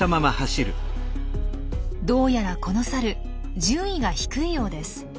どうやらこのサル順位が低いようです。